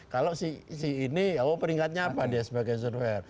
kalau si ini oh peringkatnya apa dia sebagai software